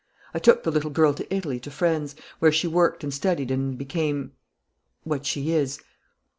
I took the little girl to Italy to friends, where she worked and studied and became what she is.